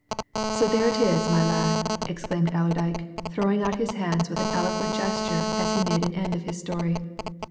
"So there it is, my lad!" exclaimed Allerdyke, throwing out his hands with an eloquent gesture as he made an end of his story.